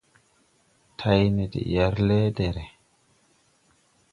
Tayne de yɛr lɛ́ɛdɛ̀rɛ̀.